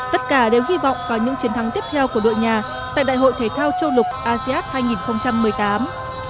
tất cả đều hy vọng vào những chiến thắng tiếp theo của đội nhà tại đại hội thể thao châu lục asean hai nghìn một mươi tám